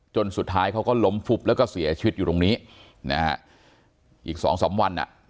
สุดท้ายเขาก็ล้มฟุบแล้วก็เสียชีวิตอยู่ตรงนี้นะฮะอีกสองสามวันอ่ะ